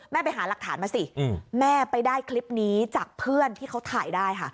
ไปหาหลักฐานมาสิแม่ไปได้คลิปนี้จากเพื่อนที่เขาถ่ายได้ค่ะ